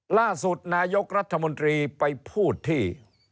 ล่าสุดนายกรัฐมนตรีไปพูดที่